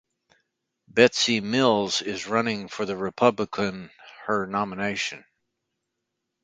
Betsy Mills is running for the Republican her nomination.